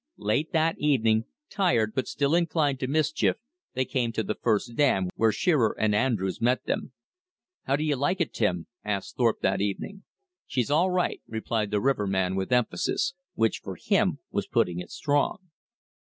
Late that evening, tired, but still inclined to mischief, they came to the first dam, where Shearer and Andrews met them. "How do you like it, Tim?" asked Thorpe that evening. "She's all right," replied the riverman with emphasis; which, for him, was putting it strong.